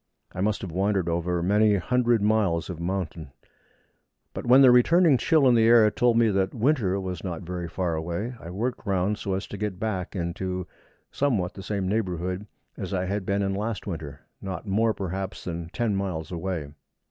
I must have wandered over many hundred miles of mountain, but when the returning chill in the air told me that winter was not very far away, I worked round so as to get back into somewhat the same neighbourhood as I had been in last winter, not more, perhaps, than ten miles away.